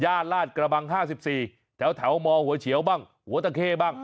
ลาดกระบัง๕๔แถวมหัวเฉียวบ้างหัวตะเข้บ้าง